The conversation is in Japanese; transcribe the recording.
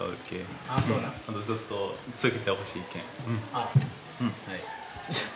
ああはい。